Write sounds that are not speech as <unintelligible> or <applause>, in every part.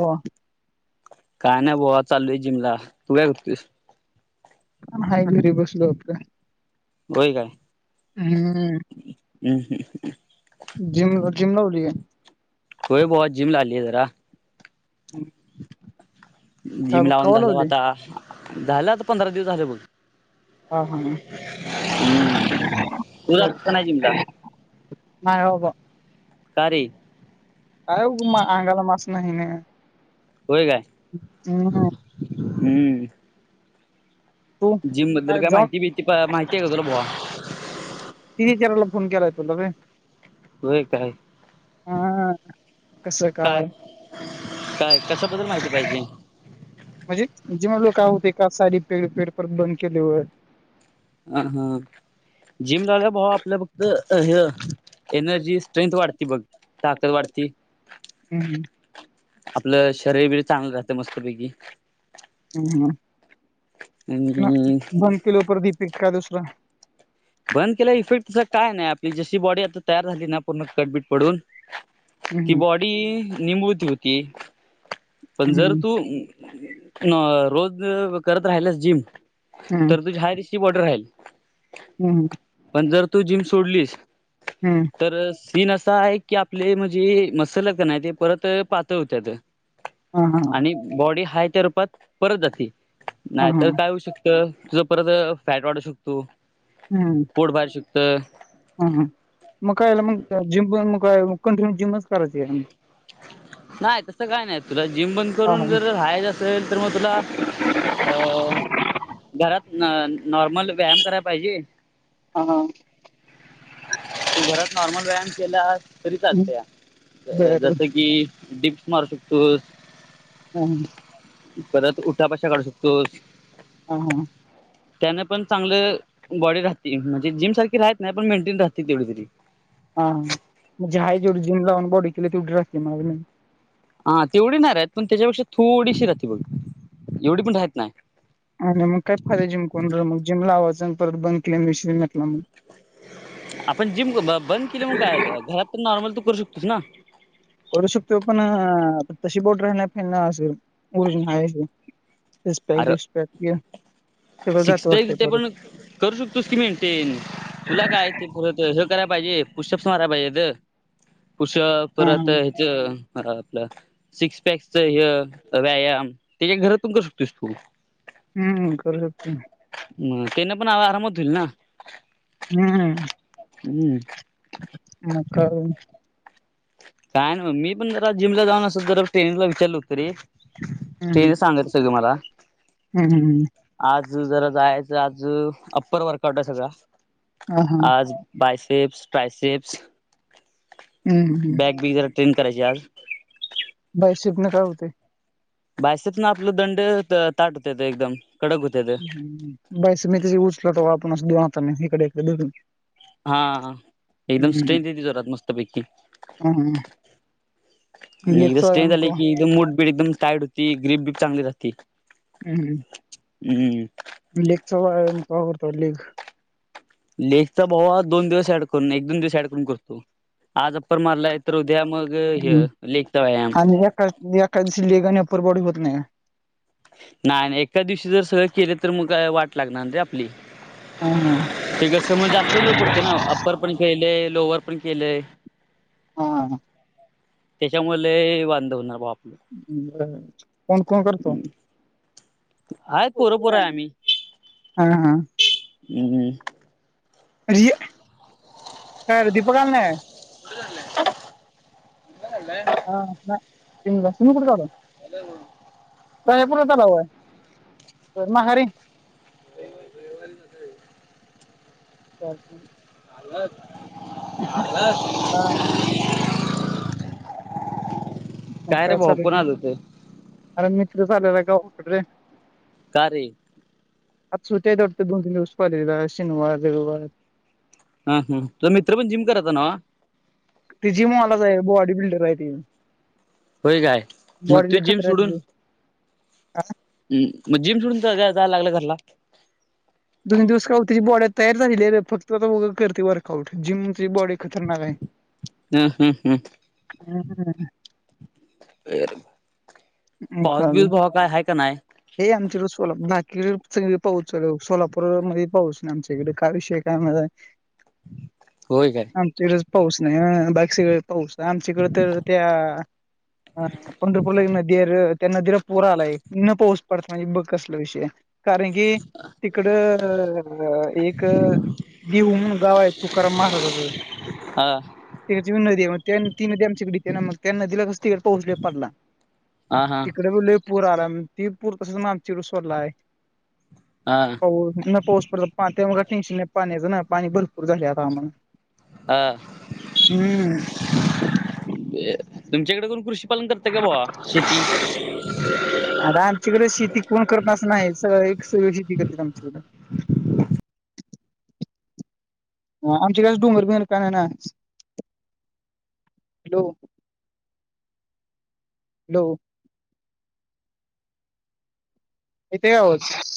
हो. काय नाही बुवा चालोय जिमला तू काय करतोयस. हाय घरी बसलो होतो. होय काय? हम्म. हम्म. जिम जिम लावली काय? होय बुवा जिमला आली जरा. हम्. जिम लावून झालं लावली आता, झालं आता पंधरा दिवस झालं बघ. हा हा तू जातोस का नाही जिमला <inaudible> नाही बाबा. का रे? काय उपयोग? अंगाला मास नाही आणि होय काय हम्म. तू जिम बद्दल काय जाऊन माहिती बिती माहिती आहे का तुला बुवा? तिच विचारायला फोन केलाय तुला रे. होय काय? हा काय? काय कशाबद्दल माहिती पाहिजे? म्हणजे जेव्हा लोक होते का साडी पे पेडपर बंद केलो. अ हा. जिम लावल्याव भावा आपल्या फक्त हे एनर्जी स्ट्रेंथ वाढते बघ. ताकत वाढती. हम्म. हंम्म. आपलं शरीर ब चांगलं राहतं मस्तपैकी. हम्. हम्. आणि <unintelligible> बंद केल्या इफेक्ट काय नाही आपली जशी बॉडी आता तयार झाली ना पूर्ण कटबीट पडून ती हम्म बॉडी निमूळती होती. पण, जर हम्म तू रोज करत राहिलास जिम हम्म तर तुझी हाय तशी बॉडी राहील. हम्म पण जर तू जिम सोडलीस हम्म तर सीन असा आहे की, आपले म्हणजे मसलकणाय परत पातळ होत्यात. हा हा आणि बॉडी हाय त्या रूपात परत जाते हा नाही हा तर काय होऊ शक तर तुझं परत‌ अ फॅट वाढू शकतो. हम्म! पोट बाहेर शिकत ह ह मग कायला मग जिम मग कंटिन्यू जिमच करायचं आहे. नाही तसं काय नाही. तुला जिम बंद हा करून हा. जर हायच असल तर मग, तुला अ घरात नॉर्मल व्यायाम करायला पाहिजे. हां. तू घरात नॉर्मल व्यायाम केला. तरी चालत या बर जस की डिप्स मारू शकतो. हम. परत उठा बशा काढू शकतोस. ह. हां. त्याना पण चांगलं बॉडी राहते म्हणजे जिम सारखी राहत नाही पण मेंटेन राहते तेवढी तरी. हा हा म्हणजे हाय जेवढी जिम लावून केलेली बॉडी तेवढी राहते. हा तेवढी नाही राहत पण त्याच्यापेक्षा थोडीशी राहते बघ एवढी पण राहत नाही. आणि मग काय फाय जिम <unintelligible> जिम लावायची आणि मग परत बंद केल्यावर <unintelligible> आपण जिम ब-बंद केली मग काय झालं घरात तर नॉर्मल तू करू शकतुसना. करू शकतुय पण अ तशी बॉडी राहणार नाही ना, जशी ओरिजिनल हाय ती. तीस पॅक अरे दिस पॅक सिक्स जातोय पॅक वाटतं परत ते सगळं. पण करू शकतोस की मेंटेन, तुला काय आहे ते परत हे कराय पाहिजे पुषप्स मारय पाहिजेेत. पूष हा परत ये चम घरातलं सिक्स पॅकच हय व्यायाम ते घरात पण करू शक तसपू <unintelligible> हम्म. हम्म. करू शकतो मी. म त्याने पण आ- आरामात हुईलना. हम्म! हम्म! मग काय? काय नाही बघ मी पण जरा जिमला असतं जरा ट्रेनरला विचारलं होतं रे! हम्म तेन सांगत सगळं मला. हम्म हम्म आज जरा जायचं आज अप्पर वर्कआउट आहे सगळा. हा हा आज बायसेप्स, ट्रायसेप्स. हम्म बॅग बी जरा ट्रेन करायची आज बायसेप न काय होतंय‌? बायसेत ना आपलं दंड त- ताट हुत्यात एकदम. कडक होत बास मी त उचल तवा आपण अस देऊनाता इकडेकडेघून. हा हा एकदम स्ट्रेंथ जोरात मस्त पैकी. हम्म. आणि लेगचा स्ट्रे व्यायाम झाले का की एकदम मूड बीड एकदम टाइट होती ग्रीप बी चांगली राहती. हम, लेगचा व्यायाम करतो लगेच लेखत भाऊा दोन दिवस ऍड करून एक दोन दिवस ऍड करून करतो. आज अप्पर मारला तर उद्या मग हम्म. हय लेगचा व्यायाम. <unintelligible> लेग आणि अप्पर बॉडी होत नाही. नाय नाय एका दिवशी सगळं केलं तर मग काय वाट लागणार रे आपली. हा. ते कसं म जास्त लोड पडतो ना, अप्पर पण केलंय, लोअर पण केलंय. हा हा ‌‌. त्याच्यामुळ लय वांध होणार बा! बर कोण कोण करतय? आहेत पोर पोरं पोर पोरं आहे आम्ही हा हा. हम्म हम. जी कार दीपक आला नाय? हा तुम्ही कुठे चाललाय? प्रयत्न चालूय. तर महारी. चालतंय <unintelligible> हा. मग रे काय भावा चालु कोण आहे, आलं होतं अरे मित्र चालेला गावाकड रे. का रे? आज सुट्टी आहे वाटतं दोन-तीन दिवस कॉलेज ला शनिवार रविवार. हा ह तुझा मित्र पण जिम करायचा नव्हं. ते जिम वालाच आहे बॉडी बिल्डर आहे. त्यो होय काय मग बॉडी त्यो लय जिम खत्र्या हाय त्याची. <unintelligible> हम मग जिम सोडून का जाय लागलं घरला. दोन दिवस का तिची बॉडी तयार झालेली आहे रे फक्त आता. उगच करते वर्कआउट जिमची बॉडी खतरनाक आहे. हम्. हम्म. हम् <unintelligible> काय आहे रे. पाऊस बिऊस भावा हे आमची रुसोला पण नाही. कि <unintelligible> पाऊस चालू आहे सोलापूरला नाही पाऊस आमच्या इकडे का विषय काय माहित होय आहे काय? आम तिकडंच पाऊस नाही बाकी सगळीकडे पाऊस आमच्याकडे तर तर त्या हा पंढरपूरला नदी हाय रे त्या नदीला पूर आलाय, तिकडं पाऊस न पडता म्हणजे बघ कसला विषय आहे. कारण की, तिकड एक देहु म्हणून गाव आहे तुकाराम महाराजांच. हा. तिकडची नदी आहे म ती नदी आमच्याकडे ना मग त्या नदीला कस तिकडे पाऊस पडला. हा. हा. देहु ला लय पुर आलाय ते पूर तसंच आमच्या कडे सोडलाय. हा. पाऊस न पाऊस पडला पाण्याचा त्यामुळे, टेन्शन नाही पाण्याचं ना पाणी भरपूर झाले आता आम्हाला. हा हम्म तुमच्याकडे कोण कृषी? <unintelligible> करत का भावा शेती? आरं आमच्याकडे शेती कोण करत अस नाही एक सगळी शेती करत आमच्याकडे. <inaudible> आमच्याकडे डोंगर भिंगर काय नाही ना. हॅलो. येतय का आवाज?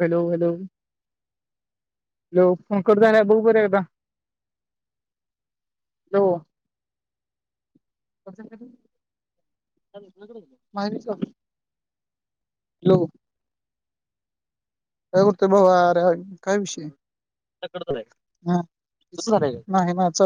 Hello hello. Hello phone cut झालाय बघ बरं एकदा. हॅलो. माझ मी हॅलो. काय करतोय भावा? अरे काय विषय? <unintelligible> नाही ना चा